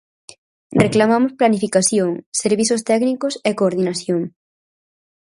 Reclamamos planificación, servizos técnicos e coordinación.